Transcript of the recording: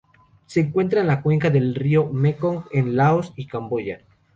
Se encuentra en la cuenca del río Mekong en Laos y Camboya.